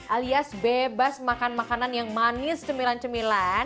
alias bebas makan makanan yang manis cemilan cemilan